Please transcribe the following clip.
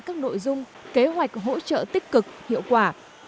các nội dung kế hoạch hỗ trợ tích cực hiệu quả